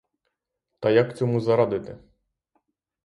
Та як цьому зарадити?